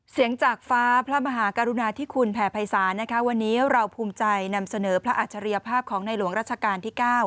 จากฟ้าพระมหากรุณาธิคุณแผ่ภัยศาลนะคะวันนี้เราภูมิใจนำเสนอพระอัจฉริยภาพของในหลวงรัชกาลที่๙